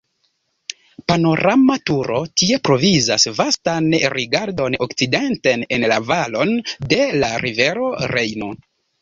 Panorama turo tie provizas vastan rigardon okcidenten en la valon de la rivero Rejno.